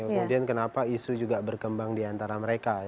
kemudian kenapa isu juga berkembang di antara mereka